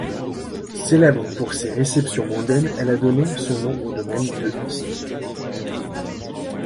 Célèbre pour ses réceptions mondaines, elle a donné son nom au domaine St.